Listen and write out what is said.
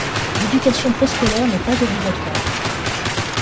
L’éducation préscolaire n’est pas obligatoire.